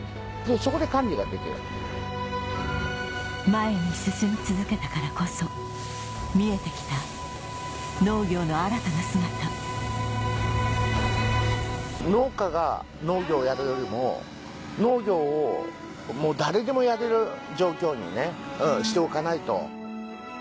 前に進み続けたからこそ見えて来た農業の新たな姿農家が農業をやるよりも農業をもう誰でもやれる状況にしておかないと。